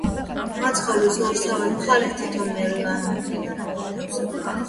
მაცხოვრის ორსავე მხარეს თითო მედალიონია მოთავსებული.